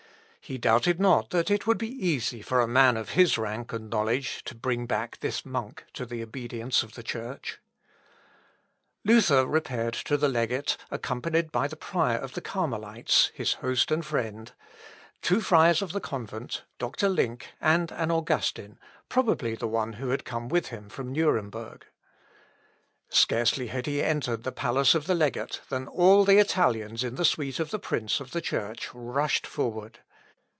He doubted not that it would be easy for a man of his rank and knowledge to bring back this monk to the obedience of the Church. Tuesday, 11th October. Luther repaired to the legate, accompanied by the prior of the Carmelites, (his host and friend,) two friars of the convent, Dr. Link, and an Augustin, probably the one who had come with him from Nuremberg. Scarcely had he entered the palace of the legate, than all the Italians in the suite of the prince of the Church rushed forward.